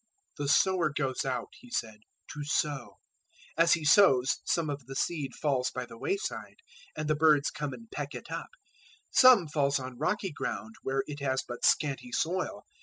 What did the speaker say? "The sower goes out," He said, "to sow. 013:004 As he sows, some of the seed falls by the way side, and the birds come and peck it up. 013:005 Some falls on rocky ground, where it has but scanty soil.